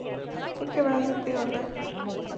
ওকে ব্যথা দিও না।